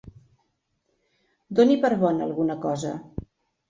Doni per bona alguna cosa.